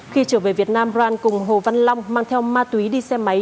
khi trở về việt nam ron cùng hồ văn long mang theo ma túy đi xe máy